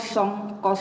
selainamped di axes